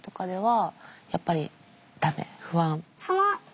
不安？